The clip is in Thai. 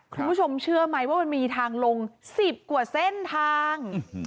คุณผู้ชมเชื่อไหมว่ามันมีทางลง๑๐กว่าเส้นทาง